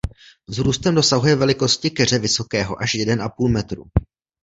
Vzrůstem dosahuje velikosti keře vysokého až jeden a půl metru.